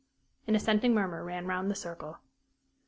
An assenting murmur ran round the circle.